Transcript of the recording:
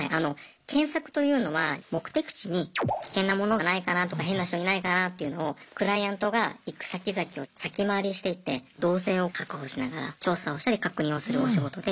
検索というのは目的地に危険な物がないかなとか変な人いないかなっていうのをクライアントが行く先々を先回りしていって動線を確保しながら調査をしたり確認をするお仕事で。